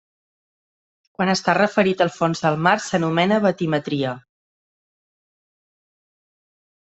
Quan està referit al fons del mar s'anomena batimetria.